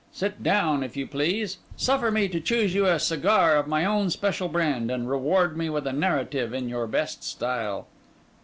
Sit down, if you please; suffer me to choose you a cigar of my own special brand; and reward me with a narrative in your best style.